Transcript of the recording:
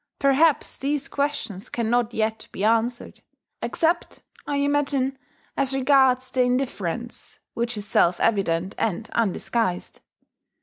Perhaps these questions cannot yet be answered, except, I imagine, as regards the indifference, which is self evident and undisguised.